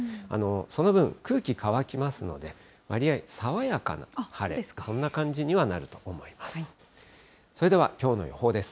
その分、空気乾きますので、わりあい爽やかな晴れ、そんな感じにはなると思います。